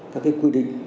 các cái quy định